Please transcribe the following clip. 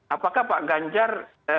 apakah pak ganjar